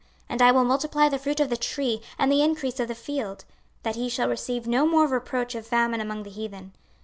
26:036:030 And I will multiply the fruit of the tree, and the increase of the field, that ye shall receive no more reproach of famine among the heathen.